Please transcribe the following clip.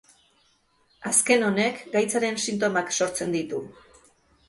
Azken honek gaitzaren sintomak sortzen ditu.